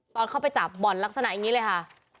ตอนเข้าไปจับบ่อนลักษณะอย่างนี้เลยค่ะ